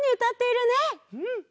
うん！